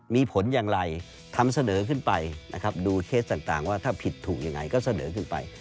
มีผลอย่างไรทำเสนอขึ้นไปนะครับดูเคสต่างว่าถ้าผิดถูกยังไงก็เสนอขึ้นไป